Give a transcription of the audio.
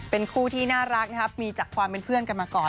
เป็นคู่ที่น่ารักนะครับมีจากความเป็นเพื่อนกันมาก่อน